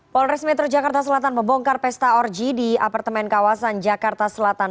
polres metro jakarta selatan membongkar pesta orji di apartemen kawasan jakarta selatan